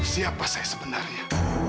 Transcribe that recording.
siapa saya sebenarnya